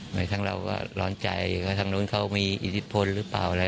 เหมือนทั้งเราก็ร้อนใจว่าทางนู้นเขามีอิทธิพลหรือเปล่าอะไร